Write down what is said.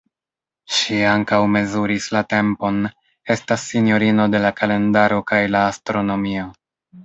Ŝi ankaŭ mezuris la tempon, estas Sinjorino de la Kalendaro kaj la Astronomio.